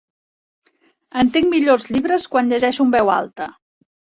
Entenc millor els llibres quan llegeixo en veu alta.